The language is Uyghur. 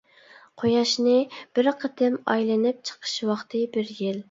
قۇياشنى بىر قېتىم ئايلىنىپ چىقىش ۋاقتى بىر يىل.